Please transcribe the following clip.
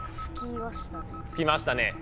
つきましたね。